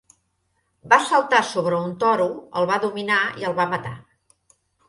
Va saltar sobre un toro, el va dominar i el va matar.